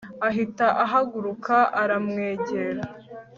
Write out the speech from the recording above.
ahita ahaguruka aramwegera